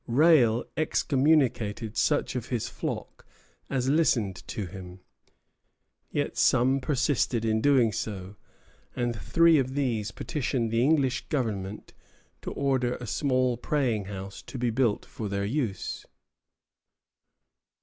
Rale excommunicated such of his flock as listened to him; yet some persisted in doing so, and three of these petitioned the English governor to order "a small praying house" to be built for their use.